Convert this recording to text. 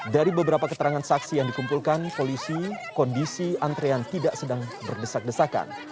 dari beberapa keterangan saksi yang dikumpulkan polisi kondisi antrean tidak sedang berdesak desakan